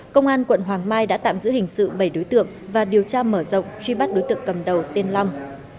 công an quận hoàng mai đã tạm giữ hình sự bảy đối tượng và điều tra mở rộng truy bắt đối tượng cầm đầu tiên long